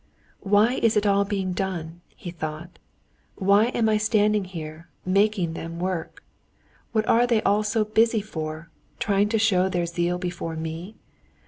"Why is it all being done?" he thought. "Why am I standing here, making them work? What are they all so busy for, trying to show their zeal before me?